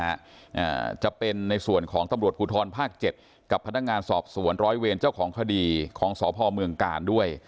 อ่าจะเป็นในส่วนของตำรวจภูทรภาคเจ็ดกับพนักงานสอบสวนร้อยเวรเจ้าของคดีของสพเมืองกาลด้วย